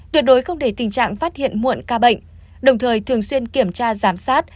tuyệt đối không để tình trạng phát hiện muộn ca bệnh đồng thời thường xuyên kiểm tra giám sát